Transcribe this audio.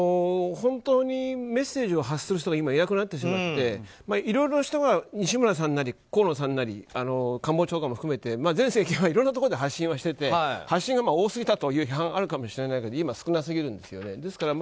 本当にメッセージを発する人が今いなくなってしまっていろいろな人が西村さんなり河野さんなり官房長官も含めて前政権はいろんなところで発信をしていて発信が多すぎたという批判があるかもしれないけど今は少なすぎるんです。